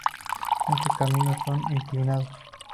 Muchos caminos son inclinados.